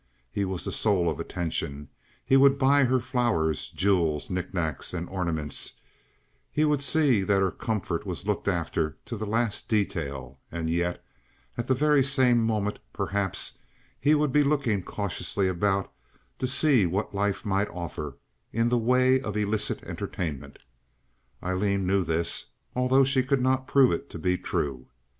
He was the soul of attention; he would buy her flowers, jewels, knickknacks, and ornaments; he would see that her comfort was looked after to the last detail; and yet, at the very same moment, perhaps, he would be looking cautiously about to see what life might offer in the way of illicit entertainment. Aileen knew this, although she could not prove it to be true.